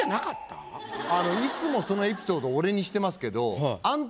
いつもそのエピソード俺にしてますけど。